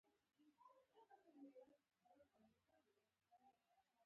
فعال خلک څه کوي؟